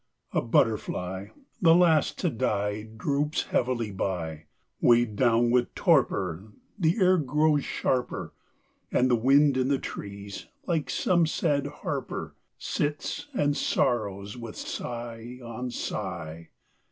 A butterfly, The last to die, Droops heavily by, Weighed down with torpor: The air grows sharper: And the wind in the trees, like some sad harper, Sits and sorrows with sigh on sigh.